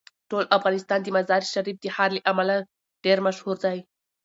ټول افغانستان د مزارشریف د ښار له امله ډیر مشهور دی.